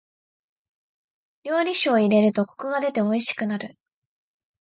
料理酒を入れるとコクが出ておいしくなる。